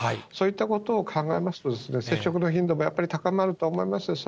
そういったことを考えますと、接触の頻度もやっぱり高まると思います。